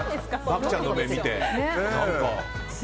麻貴ちゃんの目を見て。